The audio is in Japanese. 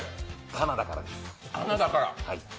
カナダからです。